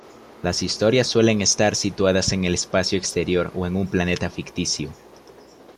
Las historias suelen estar situadas en el espacio exterior o en un planeta ficticio.